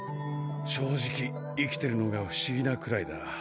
正直生きてるのが不思議なくらいだ。